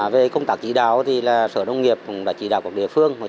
về công tác chỉ đạo thì sở nông nghiệp cũng đã chỉ đạo các địa phương